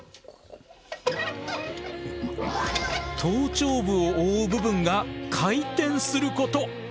頭頂部を覆う部分が回転すること！